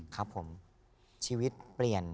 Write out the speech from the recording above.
ครับผมชีวิตเปลี่ยน